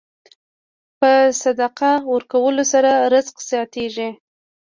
په صدقه ورکولو سره رزق زیاتېږي.